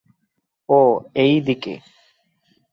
ও এই দিকে।